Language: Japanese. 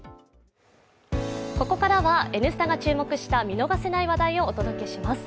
ここからは「Ｎスタ」が注目した見逃せない話題をお届けします。